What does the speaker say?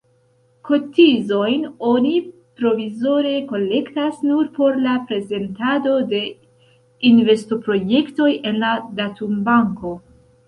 Kotizojn oni provizore kolektas nur por la prezentado de investoprojektoj en la datumbanko.